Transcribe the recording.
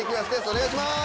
お願いします！